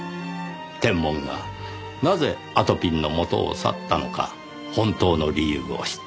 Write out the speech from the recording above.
テンモンがなぜあとぴんの元を去ったのか本当の理由を知った。